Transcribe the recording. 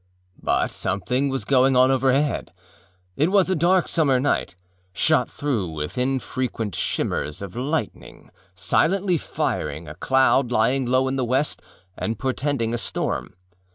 But something was going on overhead. It was a dark summer night, shot through with infrequent shimmers of lightning silently firing a cloud lying low in the west and portending a storm.